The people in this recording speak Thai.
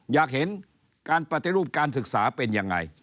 อยากเห็นการปฏิรูปการศึกษาเป็นยังไง